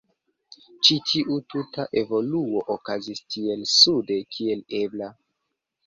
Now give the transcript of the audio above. Ĉi tiu tuta evoluo okazis tiel sude kiel ebla.